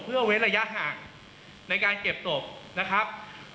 เพื่อเว้นระยะห่างในการเก็บศพนะครับ